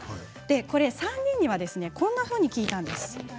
３人にはこんなふうに聞いたんです。